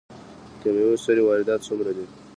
د کیمیاوي سرې واردات څومره دي؟